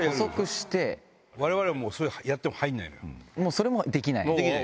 それもできない？